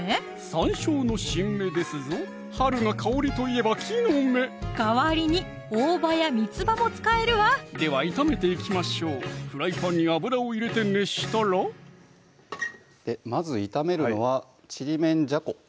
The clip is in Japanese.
さんしょうの新芽ですぞ春の香りといえば木の芽代わりに大葉やみつばも使えるわでは炒めていきましょうフライパンに油を入れて熱したらまず炒めるのはちりめんじゃこ